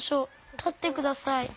たってください。